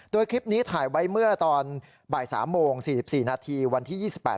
โดยคลิปนี้ถ่ายไว้เมื่อตอนบ่าย๓โมง๔๔นาทีวันที่๒๘